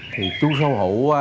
thì chú sâu hữu